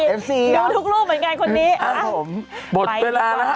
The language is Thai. เอ็มซีครับอ่ะผมไลค์กว่าดูทุกรูปเหมือนกันคนนี้